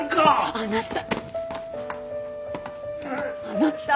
あなた。